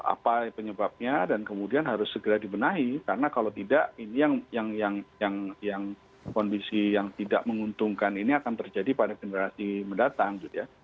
apa penyebabnya dan kemudian harus segera dibenahi karena kalau tidak ini yang kondisi yang tidak menguntungkan ini akan terjadi pada generasi mendatang gitu ya